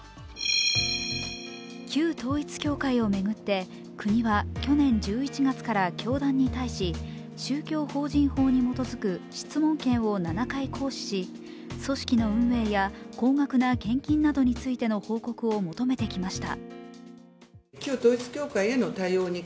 旧統一教会を巡って国は去年１１月から教団に対し宗教法人法に基づく質問権を７回行使し、組織の運営や高額な献金などについての報告を求めてきました。